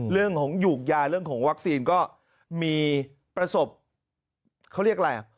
เรื่องของหยูกยาเรื่องของวัคซีนก็มีประสบเขาเรียกอะไรอ่ะ